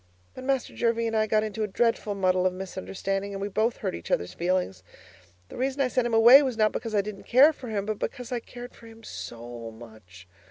But Master Jervie and I got into a dreadful muddle of misunderstanding and we both hurt each other's feelings. The reason I sent him away was not because I didn't care for him, but because I cared for him so much.